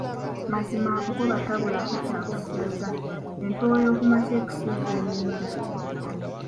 Mazima akugoba tabulako ky'akusuuza, empewo y'okumakya ekusuuza eminyira.